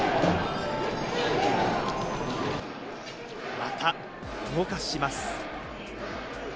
また動かします。